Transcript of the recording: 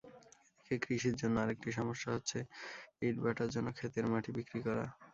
এদিকে কৃষির জন্য আরেকটি সমস্যা হচ্ছে, ইটভাটার জন্য খেতের মাটি বিক্রি করা।